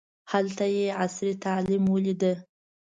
هلته یې عصري تعلیم ولیده.